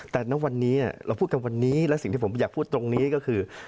แต่ณวันนี้เราพูดกันวันนี้และสิ่งที่ผมอยากพูดตรงนี้ก็คือ